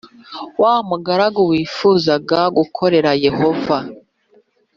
w amaguru wifuzaga gukorera Yehova